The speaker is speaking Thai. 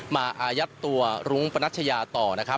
มาอายัดตัวรุงประนัชยาต่อ